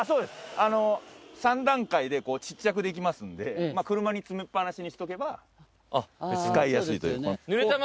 あの３段階でちっちゃくできますんで車に積みっぱなしにしとけば使いやすいという。